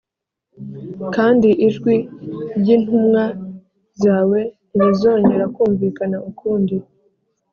kandi ijwi ry’intumwa zawe ntirizongera kumvikana ukundi.”